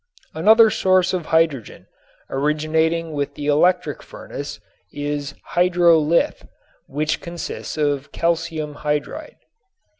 Another source of hydrogen originating with the electric furnace is "hydrolith," which consists of calcium hydride.